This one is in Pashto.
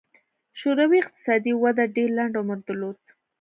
شوروي اقتصادي وده ډېر لنډ عمر درلود.